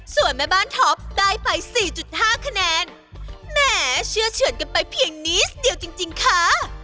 ส่วนแม่บ้านท็อปได้ไปสี่จุดห้าคะแนนแหมเชื่อเฉือนกันไปเพียงนิดเดียวจริงค่ะ